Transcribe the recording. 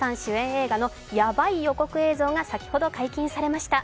映画のヤバい予告映像が先ほど解禁されました。